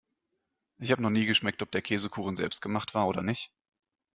Ich habe noch nie geschmeckt, ob der Käsekuchen selbstgemacht war oder nicht.